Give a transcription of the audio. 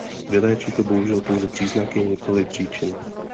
Vyléčí to bohužel pouze příznaky, nikoli příčiny.